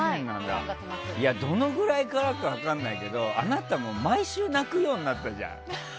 どのぐらいからか分からないけどあなた、毎週泣くようになったじゃん。